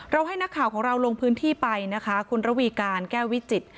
เราให้หน้าข่าวของเราลงพื้นที่ไปคุณระวีการแก้ววิจิต